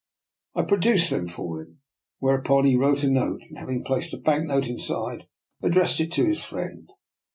" I produced them for him, whereupon he wrote a note, and having placed a bank note inside, addressed it to his friend.